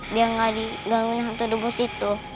biar nggak digangguin hantu debus itu